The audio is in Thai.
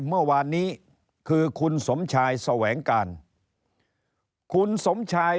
เมื่อวานนี้คือคุณสมชายแสวงการคุณสมชาย